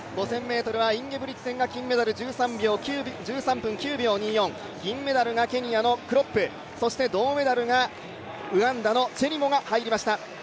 ５０００ｍはインゲブリクセンが金メダル、１３分９秒２４、銀メダルがケニアのクロップ、銅メダルにウガンダのチェリモが入りました。